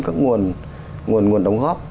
các nguồn đồng góp